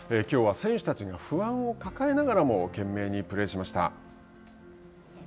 きょうは、選手たちが不安を抱えながらも懸命にプレーしました。